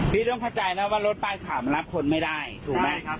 พี่ต้องเข้าใจนะว่ารถป้ายขาวมันรับคนไม่ได้ถูกไหมครับ